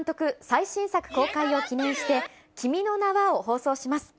最新作公開を記念して、君の名は。を放送します。